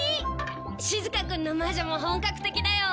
しずかくんの魔女も本格的だよ。